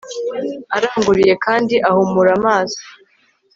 aranguruye kandi ahumura amaso